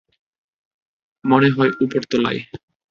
মনে হয় উপরতলায়।